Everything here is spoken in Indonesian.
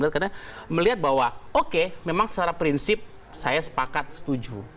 karena melihat bahwa oke memang secara prinsip saya sepakat setuju